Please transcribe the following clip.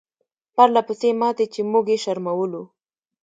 پرله پسې ماتې چې موږ یې شرمولو.